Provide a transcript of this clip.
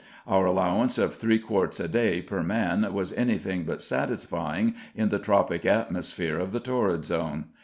Our allowance of three quarts a day, per man, was anything but satisfying in the tropic atmosphere of the torrid zone.